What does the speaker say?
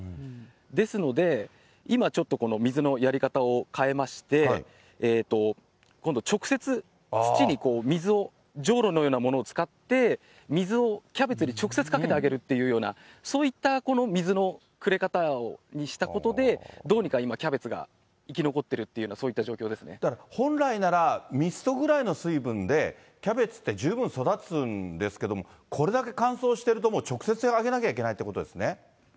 ですので、今ちょっと水のやり方を変えまして、今度、直接土に水を、じょうろのようなものを使って、水をキャベツに直接かけてあげるというようなそういった水のくれ方にしたことで、どうにか今、キャベツが生き残ってるっていうような、だから本来なら、ミストぐらいの水分でキャベツって十分育つんですけども、これだけ乾燥してると、もう直接あげなきゃいけないということですね。